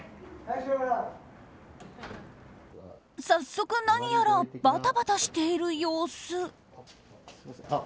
早速何やらバタバタしている様子。